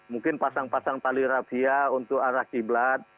mungkin pasang pasang tali rafia untuk arah qiblat